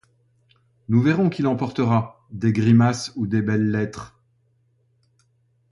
Nous verrons qui l’emportera, des grimaces ou des belles-lettres.